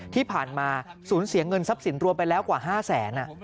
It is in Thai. ที่ผ่านมาสูญเสียเงินทรัพย์สินรวมไปแล้วกว่า๕แสน